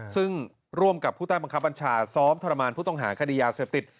ซึ่งร่วมกับผู้ใต้บังคับบัญชาซ้อมทรมานผู้ต้องหาคดียาเสพติด